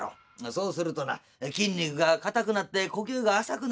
そうするとな筋肉が硬くなって呼吸が浅くなる。